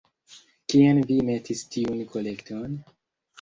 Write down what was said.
Kien vi metis tiun kolekton?